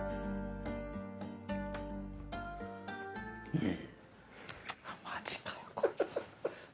うん。